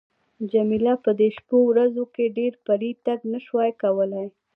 جميله په دې شپو ورځو کې ډېر پلی تګ نه شوای کولای.